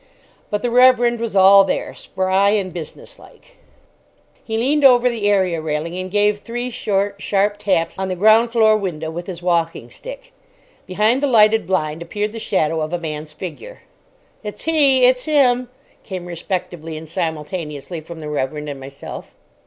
But the Reverend was all there, spry and business like. He leaned over the area railing and gave three short, sharp taps on the ground floor window with his walking stick. Behind the lighted blind appeared the shadow of a man's figure. "It's he!" "It's him!" came respectively and simultaneously from the Reverend and myself.